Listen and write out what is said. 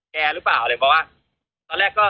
แคร์เหรอเปล่า